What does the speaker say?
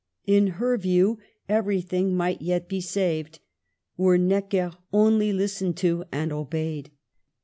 In her view, every thing might yet be saved, were Necker only lis tened to and obeyed.